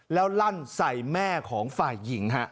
แล้วลั่นใส่แม่ของฝ่ายหญิงฮะ